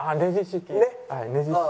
『ねじ式』。